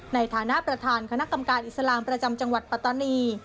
ในฐานะประธานคณะกรรมการอิสลามประจำจังหวัดปัตตานี